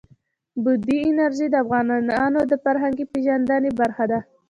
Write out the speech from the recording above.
بادي انرژي د افغانانو د فرهنګي پیژندنې برخه ده.